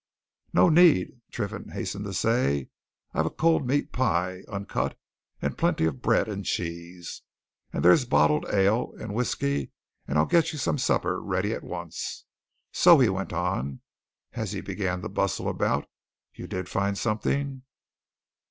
"No need," Triffitt hastened to say. "I've a cold meat pie, uncut, and plenty of bread, and cheese. And there's bottled ale, and whisky, and I'll get you some supper ready at once. So" he went on, as he began to bustle about "you did find something?"